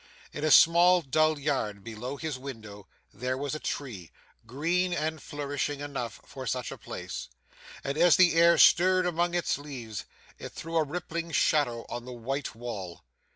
In a small dull yard below his window, there was a tree green and flourishing enough, for such a place and as the air stirred among its leaves, it threw a rippling shadow on the white wall.